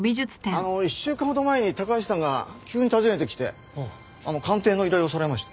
あの１週間ほど前に高橋さんが急に訪ねてきて鑑定の依頼をされました。